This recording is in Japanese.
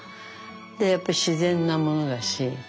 でやっぱ自然なものだし。